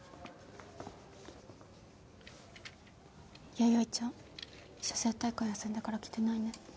弥生ちゃん写生大会休んでから来てないね。